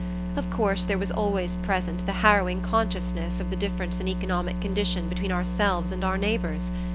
Of course there was always present the harrowing consciousness of the difference in economic condition between ourselves and our neighbors.